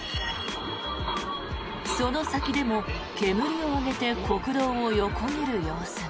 その先でも煙を上げて国道を横切る様子が。